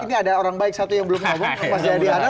ini ada orang baik satu yang belum ngomong mas jayadi ana